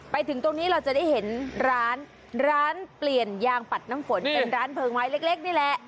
ไปถึงตรงนี้เราจะได้เห็นร้านร้านเปลี่ยนยางปัดน้ำฝนเป็นร้านเพลิงไม้เล็กนี่แหละ